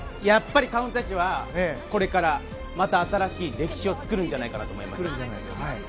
やっぱり彼女たちはこれからまた新しい歴史を作るんじゃないかと思います。